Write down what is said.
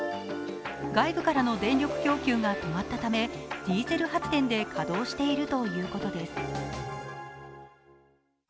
外部からの電力供給が止まったためディーゼル発電で稼働しているということです。